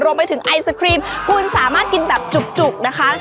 ไอศครีมคุณสามารถกินแบบจุกนะคะ